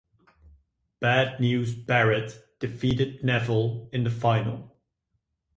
Bad News Barrett defeated Neville in the final.